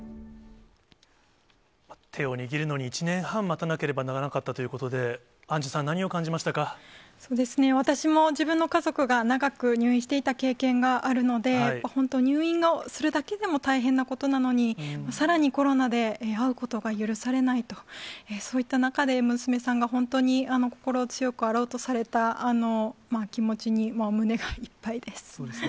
手を握るのに１年半、待たなければならなかったということで、アンジュさん、私も自分の家族が長く入院していた経験があるので、本当、入院するだけでも大変なことなのに、さらにコロナで会うことが許されないと、そういった中で娘さんが本当に心強くあろうとされた気持ちに胸がいっぱいです。